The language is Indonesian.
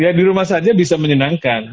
ya di rumah saja bisa menyenangkan